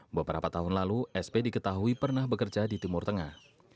beberapa tahun lalu sp diketahui pernah bekerja di timur tengah